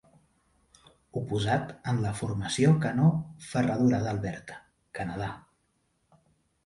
Oposat en la Formació Canó Ferradura d'Alberta, Canadà.